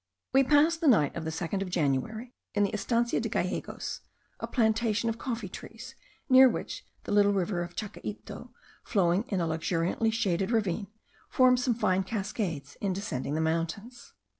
We passed the night of the 2nd of January in the Estancia de Gallegos, a plantation of coffee trees, near which the little river of Chacaito, flowing in a luxuriantly shaded ravine, forms some fine cascades in descending the mountains.